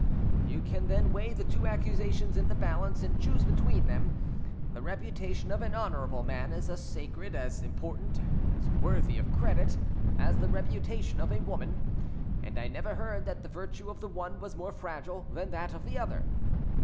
You can then weigh the two accusations in the balance, and choose between them. The reputation of an honourable man is as sacred, as important, as worthy of credit as the reputation of a woman, and I never heard that the virtue of the one was more fragile than that of the other."